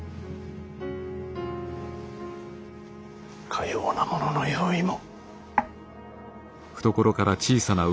かようなものの用意も。